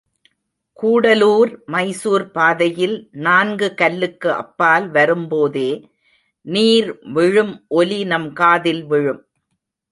கூடலூர் மைசூர் பாதையில் நான்கு கல்லுக்கு அப்பால் வரும்போதே நீர் விழும் ஒலி நம் காதில் விழும்.